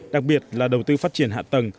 đặc biệt là đầu tư phát triển hạ tư